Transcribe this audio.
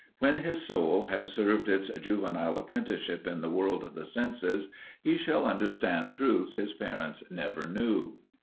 When his soul has served its juvenile apprenticeship in the world of the senses he shall understand truths his parents never knew.